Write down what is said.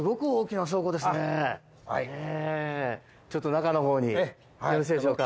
中のほうによろしいでしょうか。